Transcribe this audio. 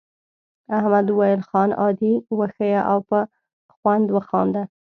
احمد وویل خان عادي وښیه او په خوند وخانده.